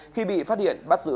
khi bị phát hiện bắt giữ